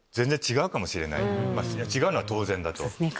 違うのは当然だと。